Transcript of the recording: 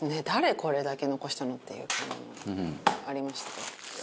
これだけ残したのっていうのもありましたけど。